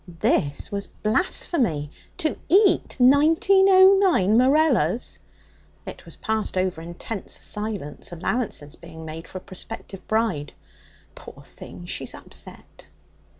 This was blasphemy. To eat 1909 Morellas! It was passed over in tense silence, allowances being made for a prospective bride. 'Poor thing! she's upset.'